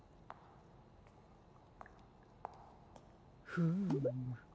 フーム？